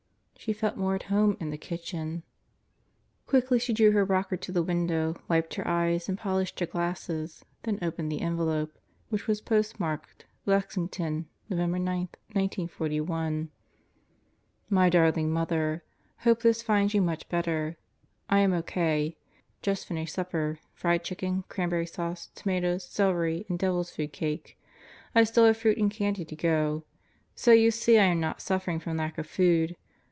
She felt more at home in the kitchen. Quickly she drew her rocker to the window, wiped her eyes and polished her glasses, then opened the envelope which was postmarked Lex ington, November 9, 1941. My darling Mother: Hope this finds you much better, I am O.K. Just finished supper: fried chicken, cranberry sauce, tomatoes, celery, and devil's food cake. I still have fruit and candy to go. So you see I am not suffering from lack of food.